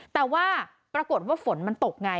แต่ว่าปรากฏว่าฝนมันตกไง